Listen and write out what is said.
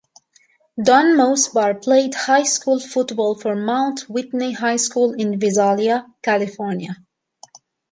Don Mosebar played high school football for Mount Whitney High School in Visalia, California.